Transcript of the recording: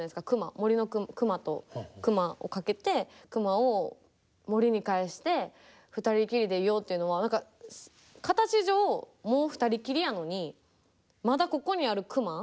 森の熊とクマをかけてクマを森に帰して二人きりでいようというのは何か形上もう二人きりやのにまだここにあるクマ